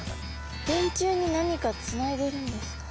電柱に何かつないでるんですか？